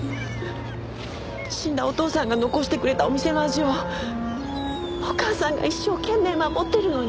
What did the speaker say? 死んだお父さんが残してくれたお店の味をお母さんが一生懸命守ってるのに。